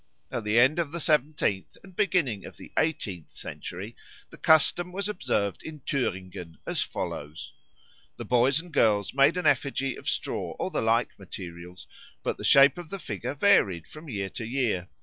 At the end of the seventeenth and beginning of the eighteenth century the custom was observed in Thüringen as follows. The boys and girls made an effigy of straw or the like materials, but the shape of the figure varied from year to year.